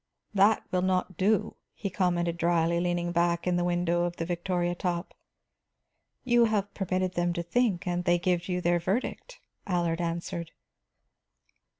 "That will not do," he commented drily, leaning back in the shadow of the victoria top. "You have permitted them to think, and they give you their verdict," Allard answered.